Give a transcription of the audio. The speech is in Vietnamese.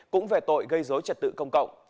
cũng về tội gây dối trật tự công cộng